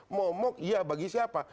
momok ya bagi siapa